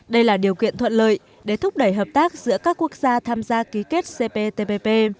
đây là điều kiện thuận lợi để thúc đẩy hợp tác giữa các quốc gia tham gia ký kết cptpp